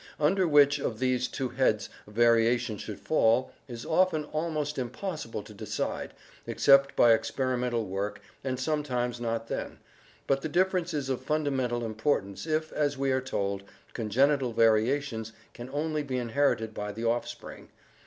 Under which of these two heads a variation should fall is often almost impos sible to decide except by experimental work, and sometimes not then, but the difference is of fundamental importance if, as we are 133 134 ORGANIC EVOLUTION told, congenital variations only can be inherited by the offspring.